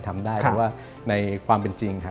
ทำได้ว่าในความเป็นจริง